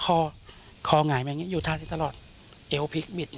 คอหง่ายมาอย่างเงี้ยอยู่ท่านี้ตลอดเอวพลิกบิด